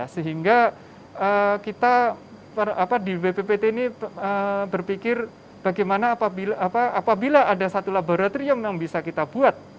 sehingga kita di bppt ini berpikir bagaimana apabila ada satu laboratorium yang bisa kita buat